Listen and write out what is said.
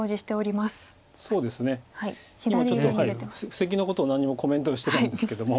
布石のことを何にもコメントしてないんですけども。